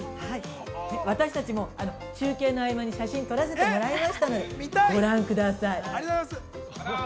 私たちも中継の合間に写真を撮らせてもらいましたので、ご覧ください。